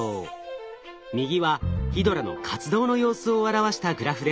右はヒドラの活動の様子を表したグラフです。